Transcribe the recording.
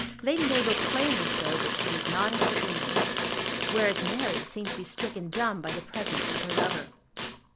Lady Mabel plainly showed that she was not at her ease; whereas Mary seemed to be stricken dumb by the presence of her lover.